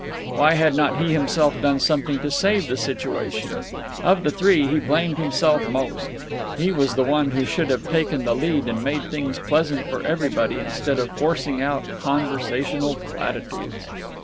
Why had not he himself done something to save the situation? Of the three, he blamed himself most. He was the one who should have taken the lead and made things pleasant for everybody instead of forcing out conversational platitudes.